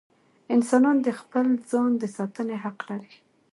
انسانان د خپل ځان د ساتنې حق لري.